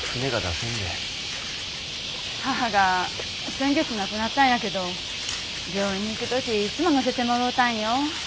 母が先月亡くなったんやけど病院に行く時いつも乗せてもろうたんよ。